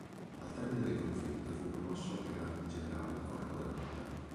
Al termine del conflitto fu promosso al grado di Generale di Corpo d'Armata.